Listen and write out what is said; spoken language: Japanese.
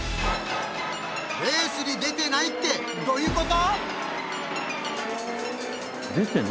レースに出てないってどういうこと？